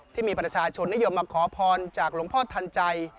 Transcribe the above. ที่มีประชาชนนิยมมาขอพรจากหลวงพ่อทันใจ